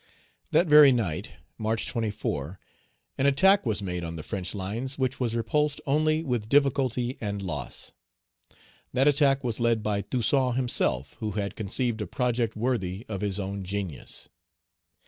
That very night (March 24) an attack was made on the French lines which was repulsed only with difficulty and loss. That attack was led by Toussaint himself, who had conceived a project worthy of his own genius.